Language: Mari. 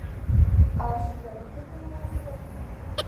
Ала шӱжарет дек унала пурет?..